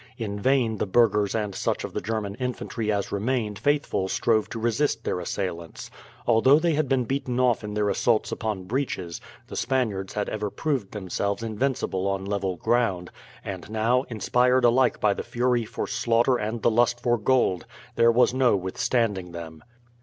In vain the burghers and such of the German infantry as remained faithful strove to resist their assailants. Although they had been beaten off in their assaults upon breaches, the Spaniards had ever proved themselves invincible on level ground; and now, inspired alike by the fury for slaughter and the lust for gold, there was no withstanding them.